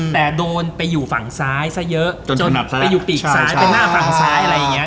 แต่โดนไปอยู่ฝั่งซ้ายซะเยอะจนไปอยู่ปีกซ้ายไปหน้าฝั่งซ้ายอะไรอย่างนี้